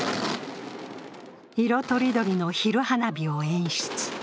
色とりどりの昼花火を演出。